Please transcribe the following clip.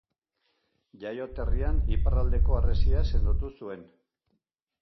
Jaioterrian iparraldeko harresia sendotu zuen.